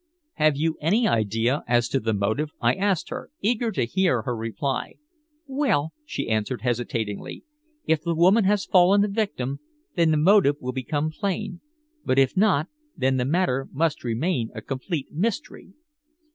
"Have you any idea as to the motive?" I asked her, eager to hear her reply. "Well," she answered hesitatingly, "if the woman has fallen a victim, the motive will become plain; but if not, then the matter must remain a complete mystery."